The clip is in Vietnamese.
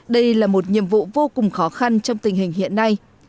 đây là một nhiệm vụ vô cùng khó khăn trong tình hình hiện nay